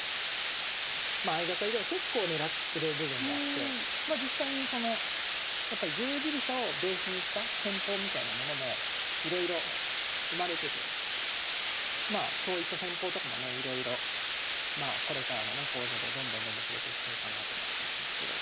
まあ相掛かりでは結構狙ってる部分であって実際にそのやっぱり十字飛車をベースにした戦法みたいなものもいろいろ生まれててまあそういった戦法とかもねいろいろこれからのね講座でどんどんどんどん触れていきたいかなと思ってるんですけど。